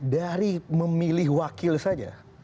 dari memilih wakil saja